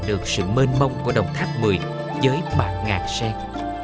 được sự mênh mông của đồng tháp một mươi với bạc ngàn sen